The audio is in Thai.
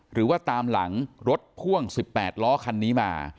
หรือว่าตามหลังรถพ่วง๑๘ล้อคันนี้มา